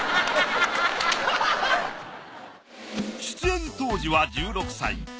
出演当時は１６歳。